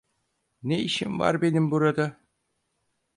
Ne işim var benim burada?